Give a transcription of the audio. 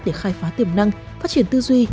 để khai phá tiềm năng phát triển tư duy